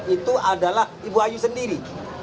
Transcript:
itu adalah ibu ayu sendiri